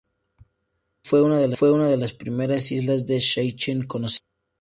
North fue una de las primeras islas de Seychelles conocidas.